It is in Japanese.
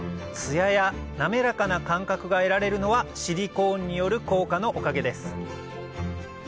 ややなめらかな感覚が得られるのはシリコーンによる効果のおかげです